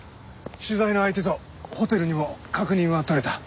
取材の相手とホテルにも確認は取れた。